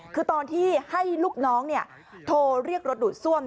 คือตอนที่ให้ลูกน้องโทรเรียกรถดูดซ่วม